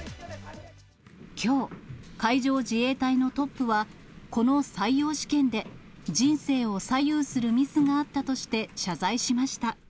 きょう、海上自衛隊のトップは、この採用試験で、人生を左右するミスがあったとして謝罪しました。